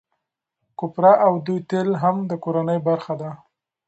کوپره او دوی تېل هم د کورنۍ برخه ده.